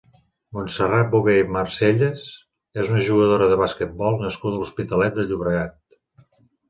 Montserrat Bobé i Marselles és una jugadora de basquetbol nascuda a l'Hospitalet de Llobregat.